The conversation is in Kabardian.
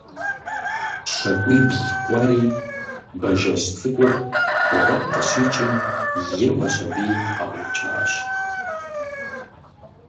ЩакӀуибл кӀуэри, бажэжь цӀыкӀур гъуэм къыщикӀым еуэщ аби, къаукӀащ.